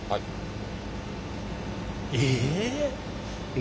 え？